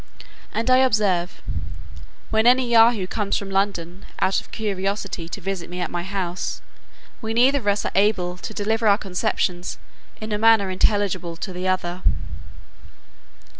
And I observe, when any Yahoo comes from London out of curiosity to visit me at my house, we neither of us are able to deliver our conceptions in a manner intelligible to the other.